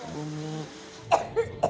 tak kecewa itu